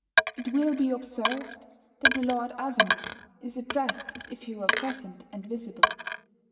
It will be observed that the Lord Asano is addressed as if he were present and visible.